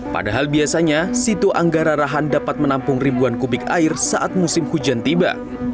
padahal biasanya situ anggara rahan dapat menampung ribuan kubik air saat musim hujan tiba